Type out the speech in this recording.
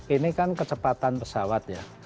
ini kan kecepatan pesawat ya